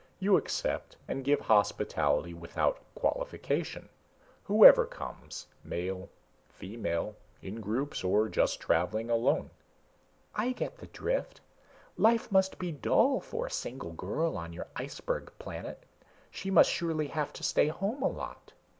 You accept and give hospitality without qualification. Whoever comes. Male ... female ... in groups or just traveling alone...." "I get the drift. Life must be dull for a single girl on your iceberg planet. She must surely have to stay home a lot."